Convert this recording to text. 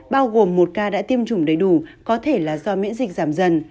bao gồm một ca đã tiêm chủng đầy đủ có thể là do miễn dịch giảm dần